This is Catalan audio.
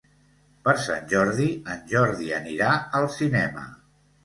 Per Sant Jordi en Jordi anirà al cinema.